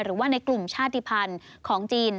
หรือว่าในกลุ่มชาติภัณฑ์ของจีน